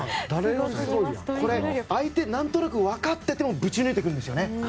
これ、相手何となく分かっててもぶち抜いていくんですよね。